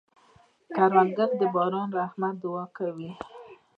کروندګر د باران د رحمت دعا کوي